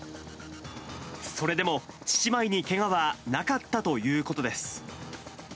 それでも、姉妹にけがはなかったということです。